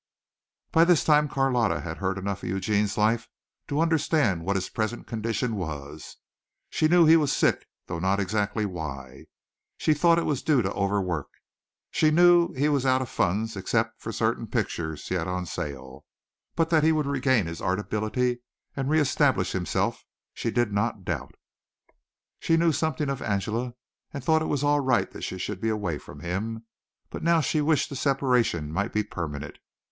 '" By this time Carlotta had heard enough of Eugene's life to understand what his present condition was. She knew he was sick though not exactly why. She thought it was due to overwork. She knew he was out of funds except for certain pictures he had on sale, but that he would regain his art ability and re establish himself she did not doubt. She knew something of Angela and thought it was all right that she should be away from him, but now she wished the separation might be permanent.